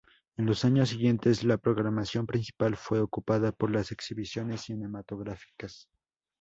En los años siguientes la programación principal fue ocupada por las exhibiciones cinematográficas.